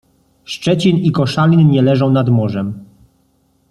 Szczecin i Koszalin nie leżą nad morzem.